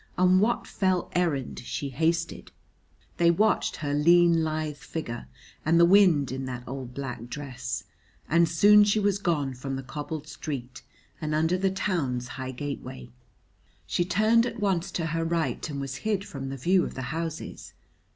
On what fell errand she hasted? They watched her lean, lithe figure, and the wind in that old black dress, and soon she was gone from the cobbled street and under the town's high gateway. She turned at once to her right and was hid from the view of the houses.